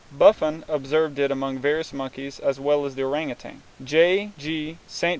Buffon observed it among various monkeys as well as in the orang utan. J.G. St.